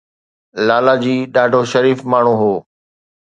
لالاجي ڏاڍو شريف ماڻهو هو